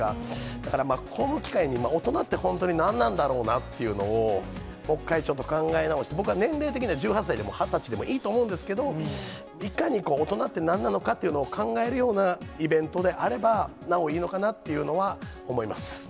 だから、この機会に、大人って本当に何なんだろうなっていうのを、もう一回、ちょっと考え直して、僕は年齢的には、１８歳でも２０歳でもいいと思うんですけど、いかに大人って何なのかというのを考えるようなイベントであれば、なおいいのかなっていうのは思います。